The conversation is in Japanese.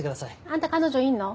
あんた彼女いんの？